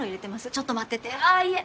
ちょっと待っててああいえ